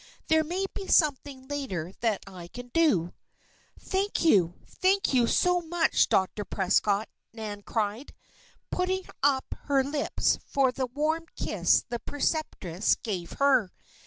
There may be something later that I can do." "Thank you! thank you, so much, Dr. Prescott!" Nan cried, putting up her lips for the warm kiss the preceptress gave her.